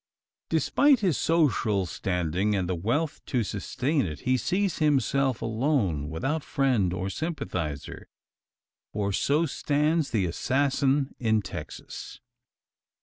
Despite his social standing and the wealth to sustain it he sees himself alone; without friend or sympathiser: for so stands the assassin in Texas!